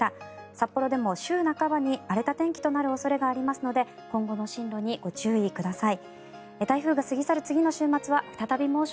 札幌でも週半ばに荒れた天気になる恐れがありますので今後の進路にご注意ください。